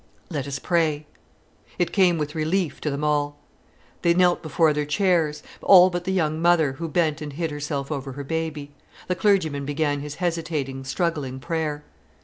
"Let us pray!" It came with relief to them all. They knelt before their chairs, all but the young mother, who bent and hid herself over her baby. The clergyman began his hesitating, struggling prayer.